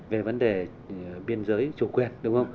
về vấn đề biên giới chủ quyền